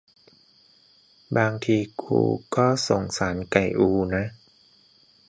บางทีกูก็สงสารไก่อูนะ